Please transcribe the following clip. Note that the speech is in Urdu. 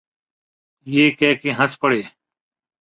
یہ کہہ کے ہنس پڑے۔